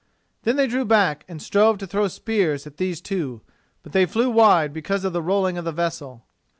Then they drew back and strove to throw spears at these two, but they flew wide because of the rolling of the vessel.